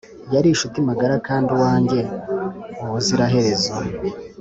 yari inshuti magara kandi uwanjye ubuziraherezo.